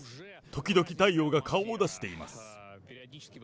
時々太陽が顔を出しています。